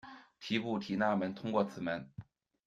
提布提纳门通过此门。